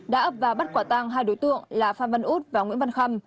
đã ấp và bắt quả tàng hai đối tượng là phan văn út và nguyễn văn khâm